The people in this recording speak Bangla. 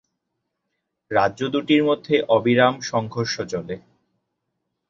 রাজ্য দুটির মধ্যে অবিরাম সংঘর্ষ চলে।